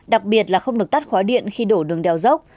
đặc biệt là không được tắt khóa điện khi đổ đường đèo dốc